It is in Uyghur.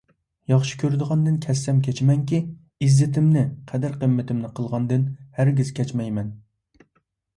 ياخشى كۆرىدىغاندىن كەچسەم كېچىمەنكى، ئىززىتىمنى، قەدىر-قىممىتىمنى قىلغاندىن ھەرگىز كەچمەيمەن.